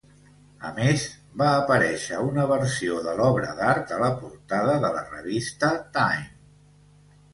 A més, va aparèixer una versió de l'obra d'art a la portada de la revista "Time".